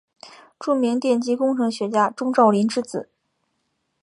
著名电机工程学家钟兆琳之子。